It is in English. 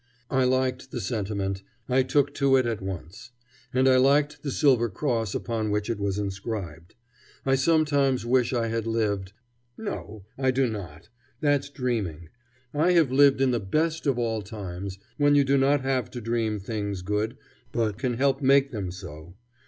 I liked the sentiment; I took to it at once. And I liked the silver cross upon which it was inscribed. I sometimes wish I had lived no! I do not. That's dreaming. I have lived in the best of all times, when you do not have to dream things good, but can help make them so.